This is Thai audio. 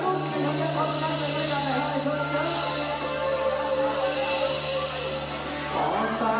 ตอนต่างคนต่างคนใสสรุปสรุป